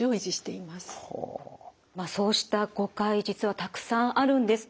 そうした誤解実はたくさんあるんです。